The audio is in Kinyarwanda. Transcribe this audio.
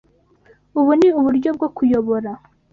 Ubu ni uburyo bwo kuyobora